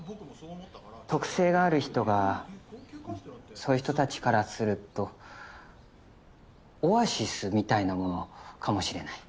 特性がある人がそういう人たちからするとオアシスみたいなものかもしれない。